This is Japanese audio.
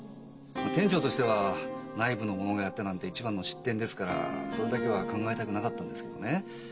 店長としては内部の者がやったなんて一番の失点ですからそれだけは考えたくなかったんですけどね。